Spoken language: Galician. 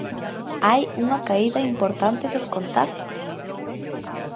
Hai unha caída importante dos contaxios.